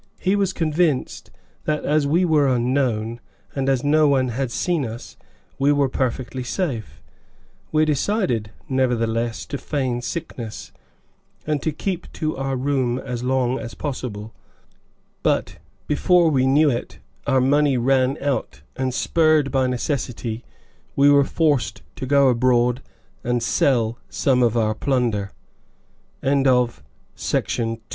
He was convinced that, as we were unknown and as no one had seen us, we were perfectly safe. We decided, nevertheless, to feign sickness, and to keep to our room as long as possible; but, before we knew it, our money ran out, and spurred by necessity we were forced to go abroad and sell some of our plun